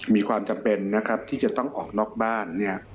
มีความจำเป็นที่จะต้องออกนอกบ้าน